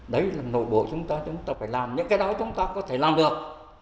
đấy là nội bộ chúng ta chúng ta phải làm những cái đó chúng ta có thể làm được